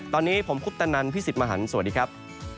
ตอนนี้ผมคุปตนันพี่สิทธิ์มหันฯสวัสดีครับ